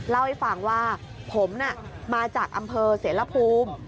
เล่าให้ฟังว่าผมน่ะมาจากอำเภอเสรภูมิ